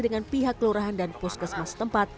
dengan pihak kelurahan dan puskesmas tempat